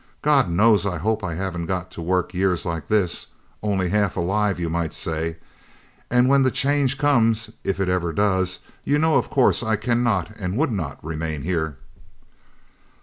God knows I hope I haven't got to work years like this, only half alive, you might say, and when the change comes, if it ever does, you know, of course, I cannot and would not remain here."